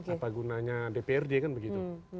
apa gunanya dprd kan begitu